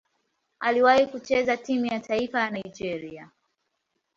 Aliwahi kucheza timu ya taifa ya Nigeria.